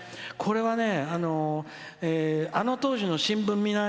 これは、あの当時の新聞